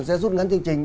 sẽ rút ngắn chương trình